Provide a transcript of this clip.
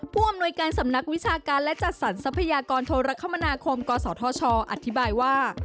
ผู้อำนวยการสำนักวิชาการและจัดสรรทรัพยากรโทรคมนาคมกศธชอธิบายว่า